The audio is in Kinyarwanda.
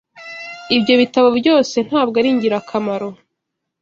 Ibyo bitabo byose ntabwo ari ingirakamaro.